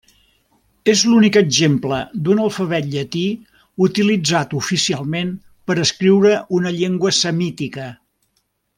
És l'únic exemple d'un alfabet llatí utilitzat oficialment per escriure una llengua semítica.